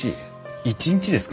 １日ですか？